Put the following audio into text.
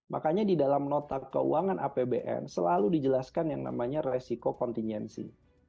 makanya di dalam nota keuangan apbn selalu dijelaskan yang namanya resiko kontingensi